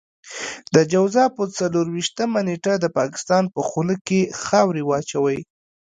د جوزا په څلور وېشتمه نېټه د پاکستان په خوله کې خاورې واچوئ.